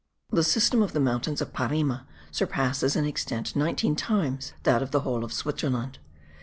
The system of the mountains of Parime surpasses in extent nineteen times that of the whole of Switzerland.